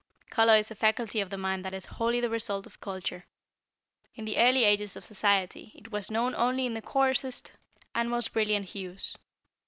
Color is a faculty of the mind that is wholly the result of culture. In the early ages of society, it was known only in the coarsest and most brilliant hues.